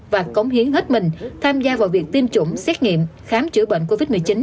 và cống hiến hết mình tham gia vào việc tiêm chủng xét nghiệm khám chữa bệnh covid một mươi chín